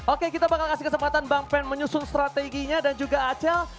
oke kita bakal kasih kesempatan bang pen menyusun strateginya dan juga acel